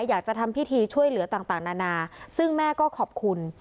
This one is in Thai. อยากจะทำพิธีช่วยเหลือต่างนานาซึ่งแม่ก็ขอบคุณ